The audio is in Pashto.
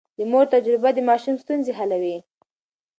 د مور تجربه د ماشوم ستونزې حلوي.